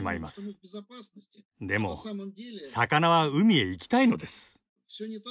でも魚は海へ行きたいのです。